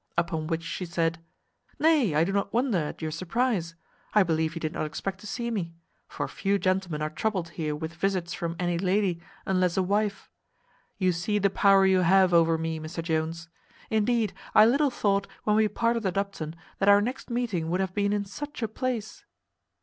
Upon which she said, "Nay, I do not wonder at your surprize; I believe you did not expect to see me; for few gentlemen are troubled here with visits from any lady, unless a wife. You see the power you have over me, Mr Jones. Indeed, I little thought, when we parted at Upton, that our next meeting would have been in such a place."